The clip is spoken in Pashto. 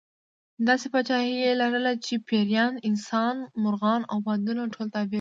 داسې پاچاهي یې لرله چې پېریان، انسانان، مرغان او بادونه ټول تابع وو.